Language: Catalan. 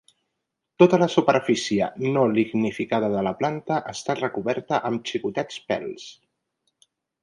Tota la superfície no lignificada de la planta està recoberta amb xicotets pèls.